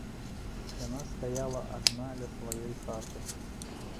Яна стаяла адна ля сваёй хаты.